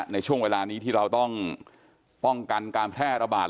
ในช่วงเวลานี้ที่เราต้องป้องกันการแพร่ระบาด